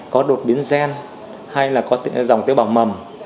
có đột biến gen hay là có dòng tế bào mầm